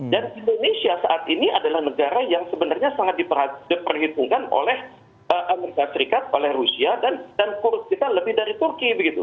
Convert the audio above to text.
dan indonesia saat ini adalah negara yang sebenarnya sangat diperhitungkan oleh amerika serikat oleh rusia dan kurus kita lebih dari turki begitu